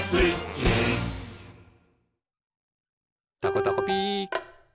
「たこたこピー」